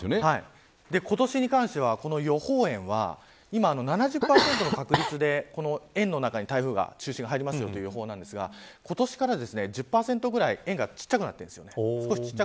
今年に関しては、予報円は今、７０％の確率で円の中に台風の中心が入るという予想なんですが今年から１０％ぐらい円が小さくなってるんです。